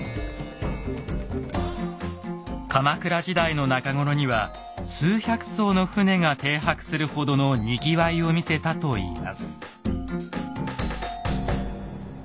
鎌倉時代の中頃には数百艘の船が停泊するほどのにぎわいを見せたといいます。